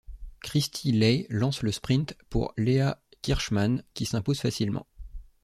Kirsti Lay lance le sprint pour Leah Kirchmann qui s'impose facilement.